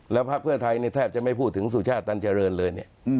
แล้วพักเพื่อไทยแทบจะไม่พูดถึงสุชาติตันเจริญเลยเนี่ย